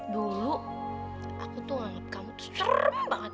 dulu aku tuh hangat kamu tuh serem banget